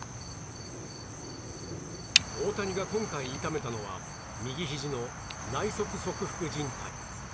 大谷が今回痛めたのは右ひじの内側側副じん帯。